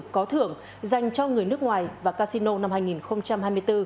có thưởng dành cho người nước ngoài và casino năm hai nghìn hai mươi bốn